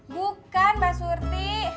bukan mbak surti